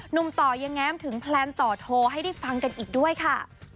ต่อยังแง้มถึงแพลนต่อโทรให้ได้ฟังกันอีกด้วยค่ะ